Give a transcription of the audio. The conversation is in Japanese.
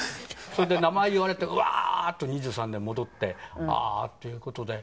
それで名前言われてうわーっと２３年戻ってああーっていう事で。